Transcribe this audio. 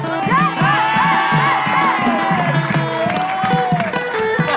โอ้โฮ